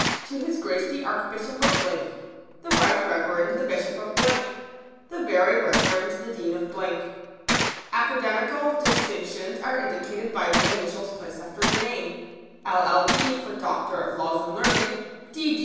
To His Grace the Archbishop of . The Right Reverend the Bishop of . The Very Reverend the Dean of . [Sidenote: Degrees.] Academical distinctions are indicated by the initials placed after the name LL.D. for Doctor of Laws and Learning, D.D.